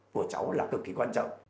của cháu là cực kỳ quan trọng